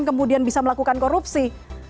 kemudian bisa melakukan korupsi